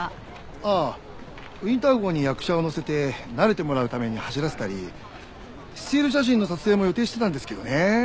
ああウィンター号に役者を乗せて慣れてもらうために走らせたりスチール写真の撮影も予定してたんですけどね。